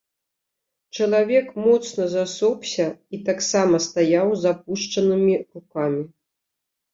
Чалавек моцна засопся і таксама стаяў з апушчанымі рукамі.